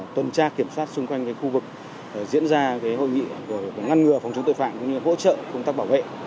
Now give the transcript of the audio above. tuần tra kiểm soát xung quanh khu vực diễn ra hội nghị ngăn ngừa phòng chống tội phạm cũng như hỗ trợ công tác bảo vệ